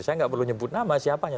saya tidak perlu menyebut nama siapanya